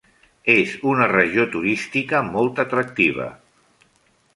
És una regió turística molt atractiva.